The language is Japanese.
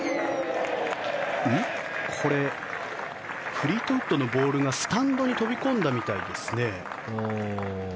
フリートウッドのボールがスタンドに飛び込んだみたいですね。